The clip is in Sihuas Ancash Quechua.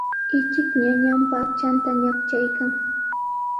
Ichik ñañanpa aqchanta ñaqchaykan.